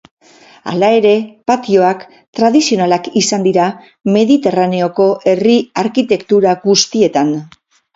Hala ere, patioak tradizionalak izan dira Mediterraneoko herri arkitektura guztietan.